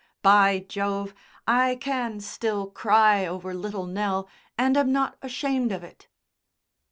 By Jove, I can still cry over Little Nell and am not ashamed of it."